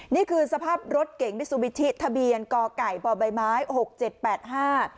นี่คือสภาพรถเก๋งมิซูบิชิทะเบียนก่อไก่บ่อใบไม้หกเจ็ดแปดห้า